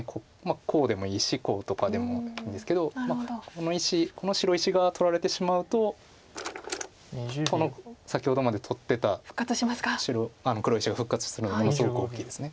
こうでもいいしこうとかでもいいんですけどこの石この白石が取られてしまうとこの先ほどまで取ってた黒石が復活するのはものすごく大きいです。